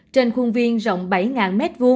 trên khuôn viên rộng bảy m hai